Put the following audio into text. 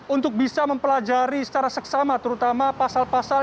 untuk bisa mempelajari secara seksama terutama pasal pasal